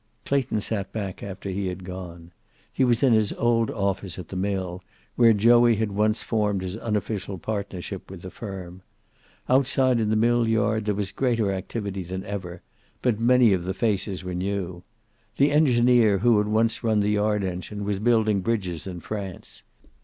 Clayton sat back after he had gone. He was in his old office at the mill, where Joey had once formed his unofficial partnership with the firm. Outside in the mill yard there was greater activity than ever, but many of the faces were new. The engineer who had once run the yard engine was building bridges in France.